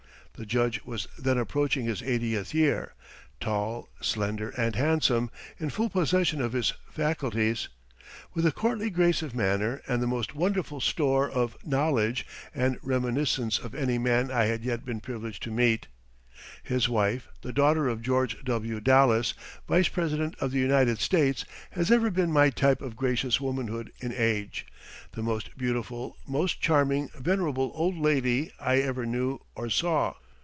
The Judge was then approaching his eightieth year, tall, slender, and handsome, in full possession of all his faculties, with a courtly grace of manner, and the most wonderful store of knowledge and reminiscence of any man I had yet been privileged to meet. His wife, the daughter of George W. Dallas, Vice President of the United States, has ever been my type of gracious womanhood in age the most beautiful, most charming venerable old lady I ever knew or saw.